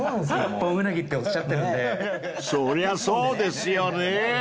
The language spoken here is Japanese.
［そりゃそうですよね］